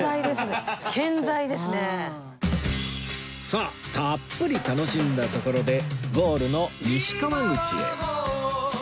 さあたっぷり楽しんだところでゴールの西川口へ